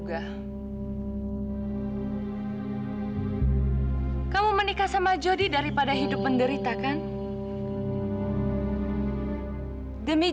kamu tidak bisa menikah dengan jody daripada adalah seseorang vivir dalam hati penderitaan